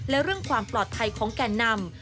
และเรื่องความปลอดภัยของแก่นำ